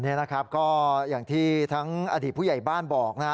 นี่นะครับก็อย่างที่ทั้งอดีตผู้ใหญ่บ้านบอกนะ